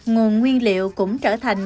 nguồn nguyên liệu cũng trở thành